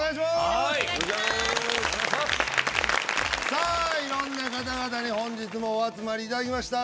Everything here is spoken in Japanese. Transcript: さあ色んな方々に本日もお集まりいただきました。